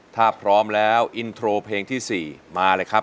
ถ้าพร้อมแล้วอินโทรเพลงที่๔มาเลยครับ